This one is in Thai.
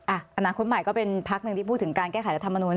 อนาคตใหม่ก็เป็นพักหนึ่งที่พูดถึงการแก้ไขรัฐมนุน